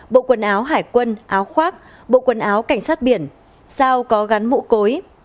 bộ quần áo hải quân áo khoác bộ quần áo cảnh sát biển sao có gắn mũ cối